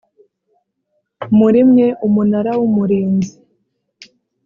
muri mwe umunara w’umurinzi